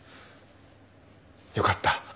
よかった。